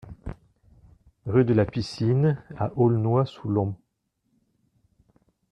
Rue de la Piscine à Aulnois-sous-Laon